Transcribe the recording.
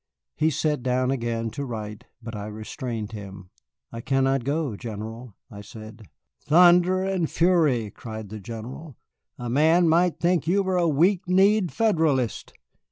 He sat down again to write, but I restrained him. "I cannot go, General," I said. "Thunder and fury," cried the General, "a man might think you were a weak kneed Federalist."